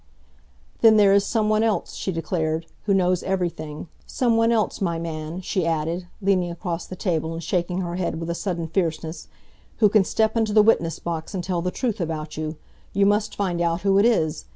"Then there is some one else," she declared, "who knows everything some one else, my man," she added, leaning across the table and shaking her head with a sudden fierceness, "who can step into the witness box and tell the truth about you. You must find out who it is.